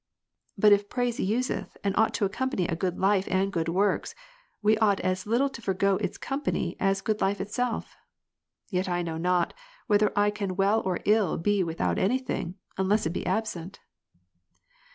But if praise useth and ought to accom pany a good life and good works, we ought as little to forego its company, as good life itself. Yet I know not, whether I can well or ill be without any thing, unless it be absent.